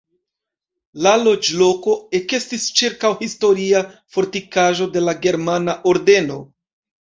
La loĝloko ekestis ĉirkaŭ historia fortikaĵo de la Germana Ordeno.